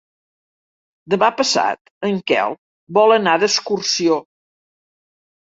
Demà passat en Quel vol anar d'excursió.